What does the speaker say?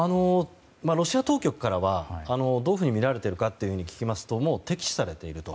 ロシア当局からはどういうふうに見られているのか聞きますともう敵視されていると。